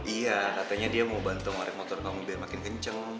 iya katanya dia mau bantu ngerek motor kamu biar makin kenceng